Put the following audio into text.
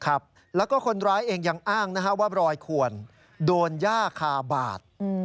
ครับแล้วก็คนร้ายเองยังอ้างว่ารอยขวนโดนย่าคาบาด